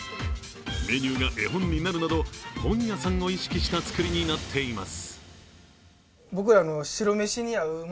メニューが絵本になるなど、本屋さんを意識した造りになっています。